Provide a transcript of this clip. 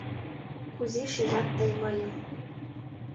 Кузе шижат тый мыйым